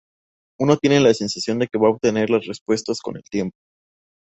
Uno tiene la sensación de que va a obtener las respuestas con el tiempo.